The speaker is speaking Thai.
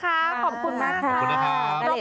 ขอบคุณมากค่ะขอบคุณนะครับ